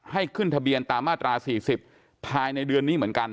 ให้ขึ้นทะเบียนตามมาตรา๔๐ภายในเดือนนี้เหมือนกัน